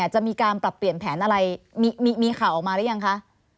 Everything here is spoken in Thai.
จะมีการปรับเปลี่ยนแผนอะไรมีข่าวออกมาหรือยังคะ